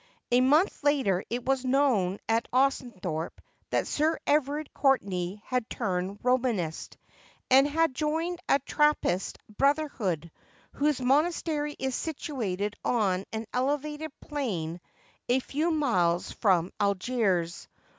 A month later it was known at Austhorpe that Sir Everard Courtenay had turned Bomanist, and had joined a Trappist Brotherhood, whose monastery is situated on an elevated plain a few miles from Algiers.